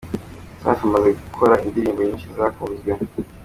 Safi amaze gukora indrimbo nyinshi zakunzwe.